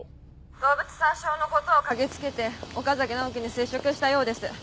動物殺傷のことを嗅ぎつけて岡崎直樹に接触したようです。